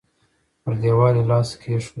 پر دېوال يې لاس کېښود.